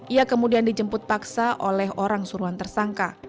ia kemudian dijemput paksa oleh orang suruhan tersangka